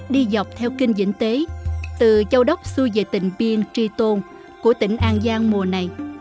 đi dọc theo kinh dĩnh tế từ châu đốc xuôi về tỉnh biên tri tôn của tỉnh an giang mùa này